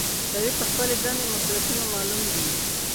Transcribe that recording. شریف ته د خپلې دندې مسؤولیتونه معلوم دي.